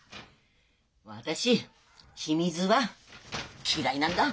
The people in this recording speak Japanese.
私秘密は嫌いなんだ。